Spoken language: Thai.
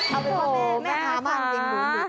เอาเป็นว่าแม่ฮามากจริง